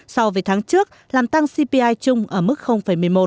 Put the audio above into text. so với tháng trước làm tăng cpi chung ở mùng bảy